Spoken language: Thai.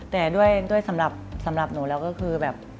แต่ด้วยสำหรับหนูแล้วก็คือแบบ